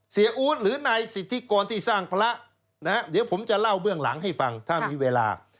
อู๊ดหรือนายสิทธิกรที่สร้างพระนะฮะเดี๋ยวผมจะเล่าเบื้องหลังให้ฟังถ้ามีเวลา